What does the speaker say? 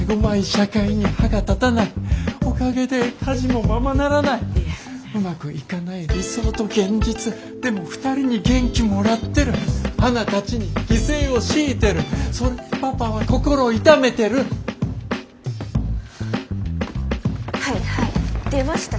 社会に歯が立たないおかげで家事もままならないうまくいかない理想と現実でも２人に元気もらってる花たちに犠牲を強いてるそれでパパは心痛めてるはいはい出ました